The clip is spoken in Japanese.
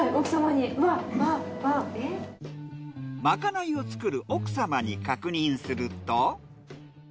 まかないを作る奥様に確認すると。